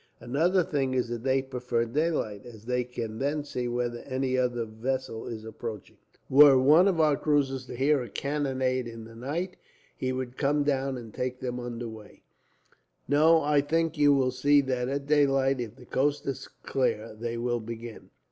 "Another thing is that they prefer daylight, as they can then see whether any other vessel is approaching. Were one of our cruisers to hear a cannonade in the night, she would come down and take them unaware. No, I think you will see that at daylight, if the coast is clear, they will begin."